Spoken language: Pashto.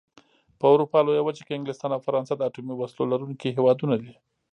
په اروپا لويه وچه کې انګلستان او فرانسه د اتومي وسلو لرونکي هېوادونه دي.